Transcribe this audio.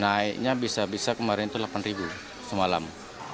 naiknya bisa bisa kemarin itu rp delapan semalam